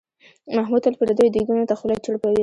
محمود تل پردیو دیګونو ته خوله چړپوي.